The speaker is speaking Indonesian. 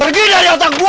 pergi dari otak gue